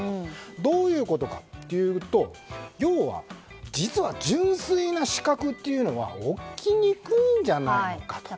どういうことかというと実は純粋な死角というのは起きにくいんじゃないのかと。